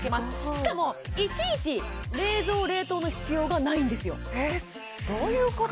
しかもいちいち冷蔵・冷凍の必要がないんですよどういうこと？